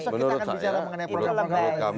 besok kita akan bicara mengenai program program